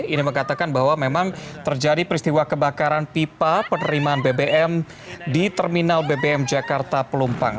ini mengatakan bahwa memang terjadi peristiwa kebakaran pipa penerimaan bbm di terminal bbm jakarta pelumpang